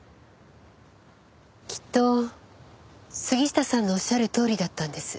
きっと杉下さんのおっしゃるとおりだったんです。